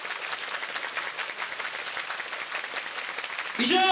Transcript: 以上。